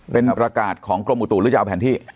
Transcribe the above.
เป็นประกาศของกรมอุตุหรือจะเอาแผนที่